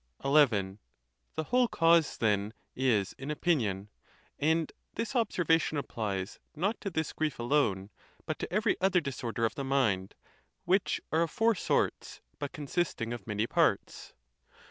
XI. The whole cause, then, is in opinion; and this ob servation applies not to this grief alone, but to every other disorder of the mind, which are of four sorts, but consist ing of many parts.